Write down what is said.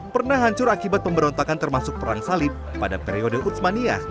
pernah hancur akibat pemberontakan termasuk perang salib pada periode utsmania